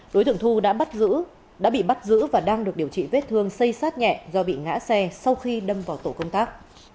đối tượng thu đã bị bắt giữ và đang được điều trị vết thương xây sát nhẹ do bị ngã xe sau khi đâm vào tổ công tác